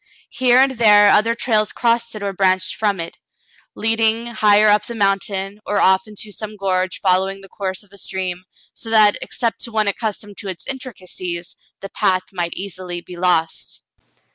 Here and there other trails crossed it or branched from it, leading higher up the mountain, or off into some gorge following the course of a stream, so that, except to one accustomed to its intricacies, the path might easily be lost.